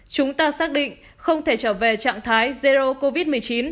chúng ta xác định không thể trở về trạng thái zero covid một mươi chín